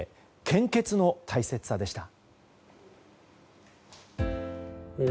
献血の大切さでした。